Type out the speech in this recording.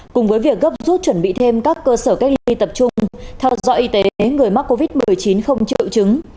cùng với việc gấp rút chuẩn bị thêm các cơ sở cách ly tập trung theo dõi y tế người mắc covid một mươi chín không triệu chứng